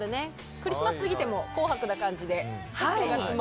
クリスマス過ぎても紅白な感じでお正月も。